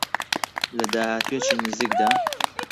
لە داهاتوویەکی نزیکدا